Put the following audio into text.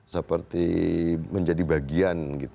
seperti menjadi bagian